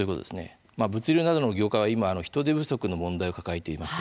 物流などの業界は今人手不足の問題を抱えています。